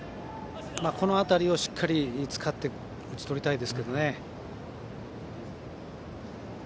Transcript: この辺りをしっかり使って打ち取りたいですけどね。